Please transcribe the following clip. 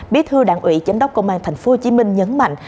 biết thư đảng ủy chánh đốc công an tp hcm nhấn mạnh